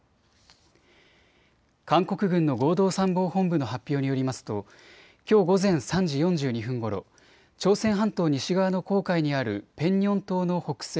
韓国軍の合同参謀本部の発表によりますと、きょう午前３時４２分ごろ、朝鮮半島西側の黄海にあるペンニョン島の北西